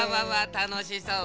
たのしそう。